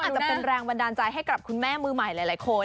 จะเป็นแรงบันดาลใจให้กับคุณแม่มือใหม่หลายคน